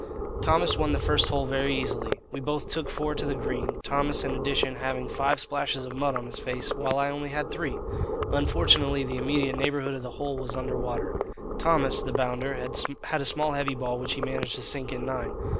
Thomas won the first hole very easily. We both took four to the green, Thomas in addition having five splashes of mud on his face while I only had three. Unfortunately the immediate neighbourhood of the hole was under water. Thomas, the bounder, had a small heavy ball which he managed to sink in nine.